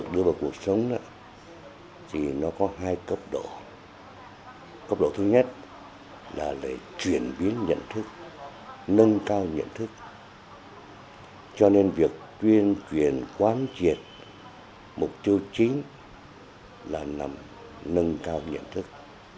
đặc biệt quyền chuyển quán triệt mục tiêu chính là nâng cao nhận thức